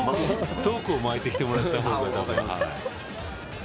トークを巻いてきてもらった方が。